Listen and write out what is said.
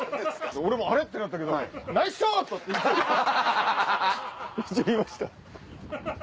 俺もあれ？ってなったけどナイスショット！って一応言いました。